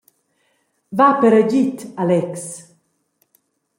Va per agid, Alex.